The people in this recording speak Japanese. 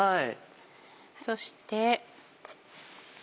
そして。